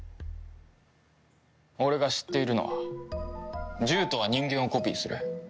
俺が知っているのは獣人は人間をコピーする。